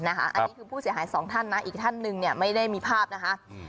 อันนี้คือผู้เสียหายสองท่านนะอีกท่านหนึ่งไม่ได้มีภาพนะคะ